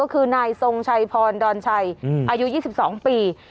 ก็คือนายทรงชัยพรดอนชัยอายุ๒๒ปี